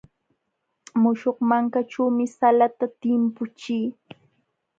Muśhuq mankaćhuumi salata timpuchii.